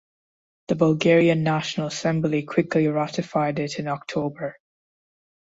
The Bulgarian National Assembly quickly ratified it in October.